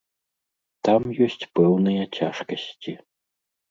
Там ёсць пэўныя цяжкасці.